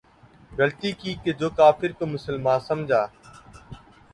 غلطی کی کہ جو کافر کو مسلماں سمجھا